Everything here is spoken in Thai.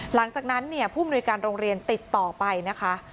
หลังจากนั้นเนี่ยผู้มนุยการโรงเรียนติดต่อไปนะคะ